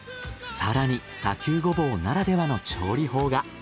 更に砂丘ゴボウならではの調理法が。